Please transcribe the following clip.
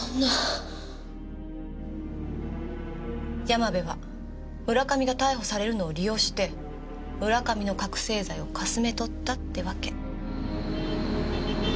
山部は村上が逮捕されるのを利用して村上の覚せい剤をかすめ取ったってわけ。